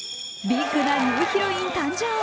ビッグなニューヒロイン誕生！